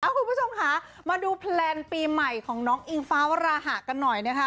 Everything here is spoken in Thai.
คุณผู้ชมค่ะมาดูแพลนปีใหม่ของน้องอิงฟ้าวราหะกันหน่อยนะคะ